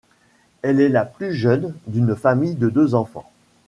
Elle est la plus jeune d'une famille de deux enfants.